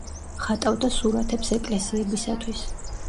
ხატავდა სურათებს ეკლესიებისათვის.